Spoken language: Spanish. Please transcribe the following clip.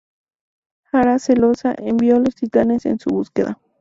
Hera, celosa, envió a los Titanes en su búsqueda.